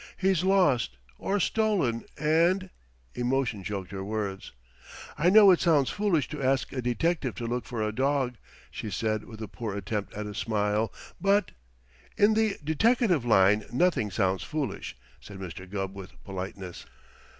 "He's lost, or stolen, and " Emotion choked her words. "I know it sounds foolish to ask a detective to look for a dog," she said with a poor attempt at a smile, "but " "In the deteckative line nothing sounds foolish," said Mr. Gubb with politeness.